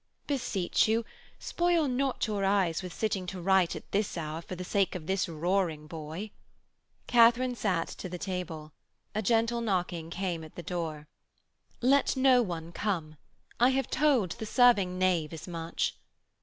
'Beseech you, spoil not your eyes with sitting to write at this hour for the sake of this roaring boy.' Katharine sat to the table: a gentle knocking came at the door. 'Let no one come, I have told the serving knave as much.'